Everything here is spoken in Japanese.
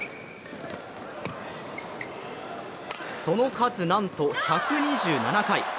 その数、なんと１２７回。